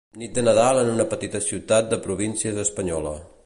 Nit de Nadal en una petita ciutat de províncies espanyola.